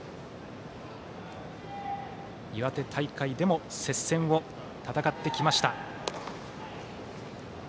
岩手大会でも接戦を戦ってきました。